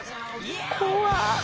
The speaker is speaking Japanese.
怖っ。